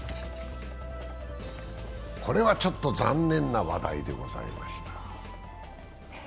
これはちょっと残念な話題でございました。